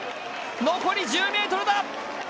残り１０ｍだ！